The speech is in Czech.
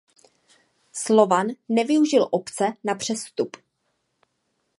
Slovan nevyužil opce na přestup.